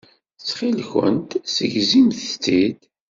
Ttxilwemt ssegzimt-t-id.